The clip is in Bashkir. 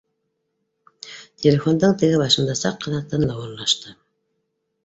Телефондың теге башында саҡ ҡына тынлыҡ урынлаш ты